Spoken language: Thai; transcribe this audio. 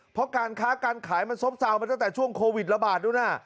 เพราะการค้าการขายมันซบเซามาตั้งแต่ช่วงโควิดระบาดนู่นน่ะ